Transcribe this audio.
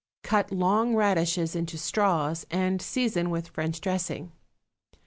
Cut long radishes into straws and season with French dressing.